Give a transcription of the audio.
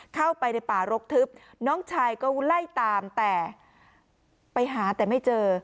เข้าไปในป่ารกทึบน้องชายก็ไล่ตามแต่ไปหาแต่ไม่เจอ